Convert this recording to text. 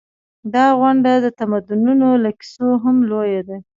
دا غونډ د تمدنونو له کیسو هم لوی دی.